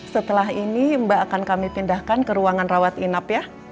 setelah ini mbak akan kami pindahkan ke ruangan rawat inap ya